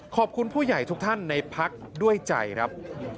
ขอบคุณผู้ใหญ่ทุกท่านในพักด้วยใจครับ